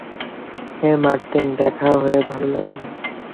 হেই Martin, দেখা হয়ে ভালো লাগল।